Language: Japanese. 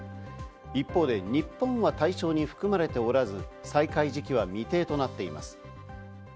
一方で日本は対象に含まれておらず、再開時期は未定となっています。